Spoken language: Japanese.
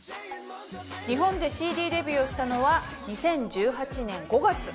日本でＣＤデビューをしたのは２０１８年５月。